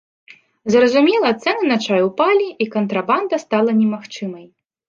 Зразумела, цэны на чай упалі, і кантрабанда стала немагчымай.